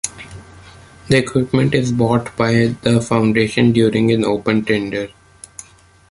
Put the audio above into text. The equipment is bought by the foundation during an open tender.